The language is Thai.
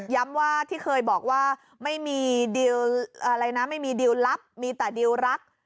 ย้ำว่าที่เคยบอกว่าไม่มีดีลลับมีแต่ดีลรัก